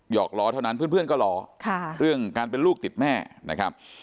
อกล้อเท่านั้นเพื่อนก็รอเรื่องการเป็นลูกติดแม่นะครับ